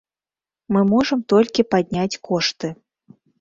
Мы можам толькі падняць кошты.